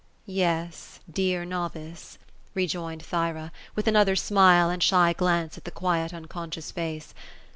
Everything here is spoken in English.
" Yes, dear novice ;" rejoined Thyra, with another smile and shy glance at the quiet unconscious face.